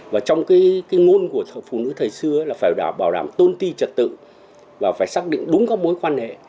và trong cái ngôn của phụ nữ thời xưa là phải bảo đảm tôn ti trật tự và phải xác định đúng các mối quan hệ